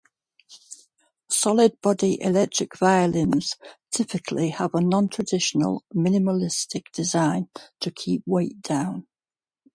Solid-body electric violins typically have a non-traditional, minimalistic design to keep weight down.